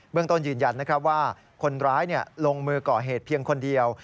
เรื่องต้นยืนยันว่าคนร้ายลงมือก่อเหตุเพียงคนเดียว